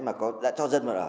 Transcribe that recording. mà đã cho dân vào ở